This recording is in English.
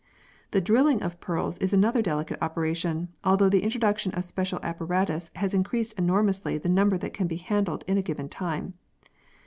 The drilling of pearls is another delicate operation, although the introduction of special apparatus has increased enormously the number that can be handled in a given time.